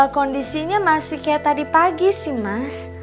kondisinya masih kayak tadi pagi sih mas